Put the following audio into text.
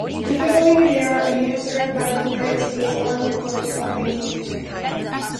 Typically, they are administered by the United States Army Corps of Engineers.